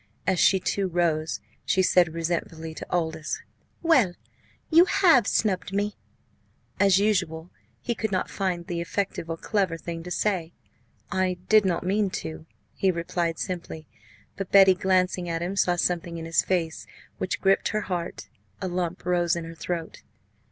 As she too rose, she said resentfully to Aldous: "Well, you have snubbed me!" As usual, he could not find the effective or clever thing to say. "I did not mean to," he replied simply; but Betty, glancing at him, saw something in his face which gripped her heart. A lump rose in her throat.